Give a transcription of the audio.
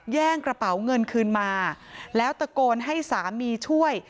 แย่งกระเป๋าเงินคืนมาแล้วตะโกนให้สามีช่วย